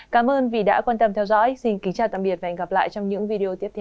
cảm ơn vì đã quan tâm theo dõi xin kính chào tạm biệt và hẹn gặp lại trong những video tiếp theo